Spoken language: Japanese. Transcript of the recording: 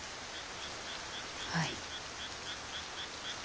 はい。